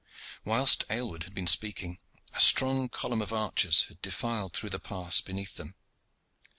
Whilst Aylward had been speaking, a strong column of archers had defiled through the pass beneath them.